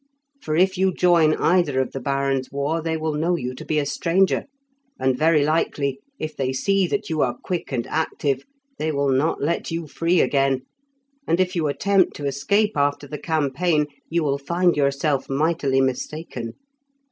For if you join either of the barons' war, they will know you to be a stranger, and very likely, if they see that you are quick and active, they will not let you free again, and if you attempt to escape after the campaign, you will find yourself mightily mistaken.